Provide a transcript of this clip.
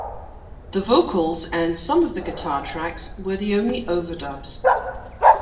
The vocals and some of the guitar tracks were the only overdubs.